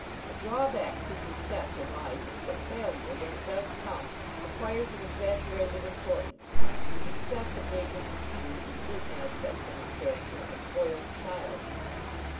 A drawback to success in life is that failure, when it does come, acquires an exaggerated importance. Success had made Mr. Peters, in certain aspects of his character, a spoiled child.